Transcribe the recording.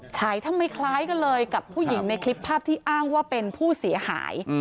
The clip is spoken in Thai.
ใช่ทำไมคล้ายกันเลยกับผู้หญิงในคลิปภาพที่อ้างว่าเป็นผู้เสียหาย